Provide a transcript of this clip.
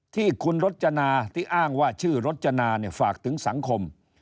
ที่คุณรจนาที่อ้างว่าชื่อรจนาฝากถึงสังคม